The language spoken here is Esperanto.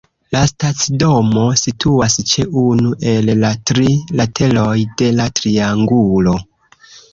La stacidomo situas ĉe unu el la tri lateroj de la triangulo.